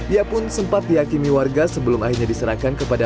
ia pun sempat dihakimi warga sebelum akhirnya diserahkan kepada